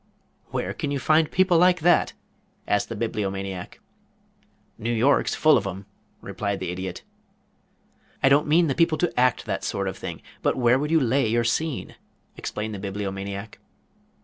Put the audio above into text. "Where can you find people like that?" asked the Bibliomaniac. "New York's full of 'em," replied the Idiot. "I don't mean the people to act that sort of thing but where would you lay your scene?" explained the Bibliomaniac.